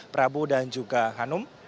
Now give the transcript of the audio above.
prabu dan juga hanum